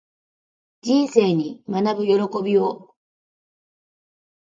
人生に学ぶ喜びを